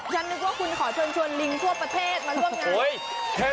ฉันนึกว่าคุณขอเชิญชวนลิงทั่วประเทศมาร่วมงาน